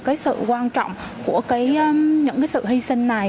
cái sự quan trọng của những cái sự hy sinh này